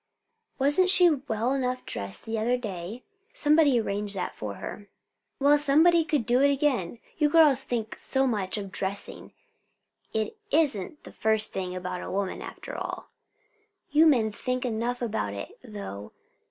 "Wasn't she well enough dressed the other day?" "Somebody arranged that for her." "Well, somebody could do it again. You girls think so much of dressing. It isn't the first thing about a woman, after all." "You men think enough about it, though.